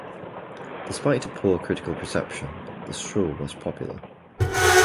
Despite a poor critical reception, the show was popular.